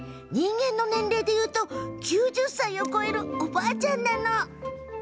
人間の年齢でいうと９０歳を超えるおばあちゃんなの。